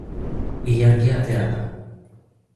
Ilargia atera da.